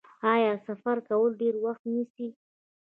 آیا سفر کول ډیر وخت نه نیسي؟